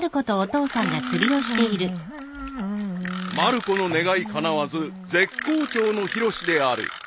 ［まる子の願いかなわず絶好調のヒロシである］